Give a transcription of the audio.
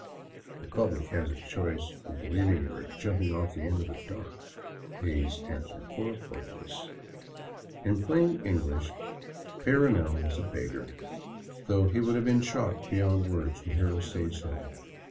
" The public has its choice of believing it or jumping off the end of the dock," Hays answered for both of us. In plain English, Peyrounel was a beggar, though he would have been shocked beyond words to hear us say so.